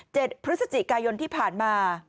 พฤศจิกายนที่ผ่านมา